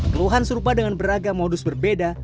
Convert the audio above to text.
keluhan serupa dengan beragam modus berbeda